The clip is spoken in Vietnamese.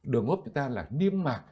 đường hốp chúng ta là niêm mạc